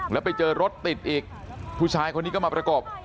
แล้วไปเจอรถติดอีกผู้ชายคนนี้ก็มาประกบ